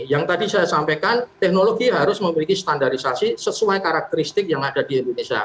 yang tadi saya sampaikan teknologi harus memiliki standarisasi sesuai karakteristik yang ada di indonesia